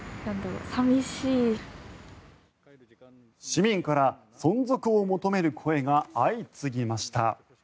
市民から存続を求める声が相次ぎました。